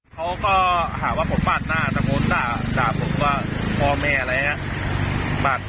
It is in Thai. เขาก็หาว่าผมปาดหน้าสมมุติด่าด่าผมก็มอร์แมร์อะไรอย่างเงี้ย